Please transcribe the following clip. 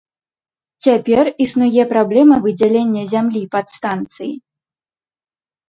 Цяпер існуе праблема выдзялення зямлі пад станцыі.